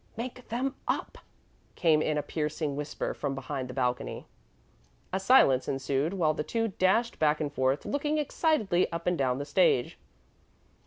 "Make them up," came in a piercing whisper from behind the balcony. A silence ensued while the two dashed back and forth, looking excitedly up and down the stage.